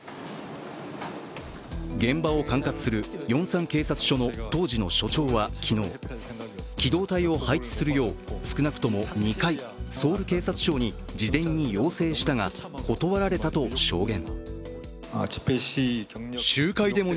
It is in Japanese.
現場を管轄するヨンサン警察署の当時の署長は昨日、機動隊を配置するよう少なくとも２回ソウル警察庁に事前に要請したが、断られたと証言。